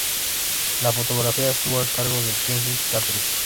La fotografía estuvo a cargo de Kenji Katori.